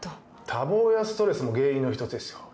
多忙やストレスも原因の一つですよ。